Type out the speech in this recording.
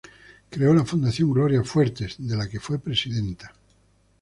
Creó la Fundación Gloria Fuertes, de la que fue presidenta.